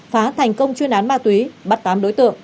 phá thành công chuyên án ma túy bắt tám đối tượng